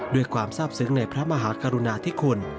ด้วยความซับซึ้งในพระมหากรุณทิศขุน